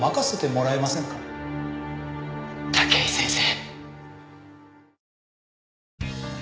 武井先生。